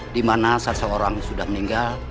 dimana saat seorang sudah meninggal